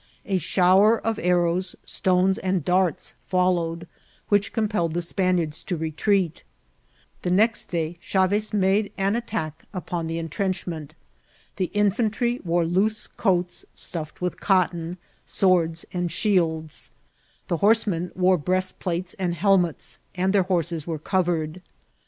A shower of arrows, stones, and darts followed, which compelled the Span iards to retreat. The next day Chaves made an attack upon the intrenchment. The infantry wore loose coats stuffed with cotton ; swords and shields ; the horsemen wore breastplates cmd helmets, and their horses were covered.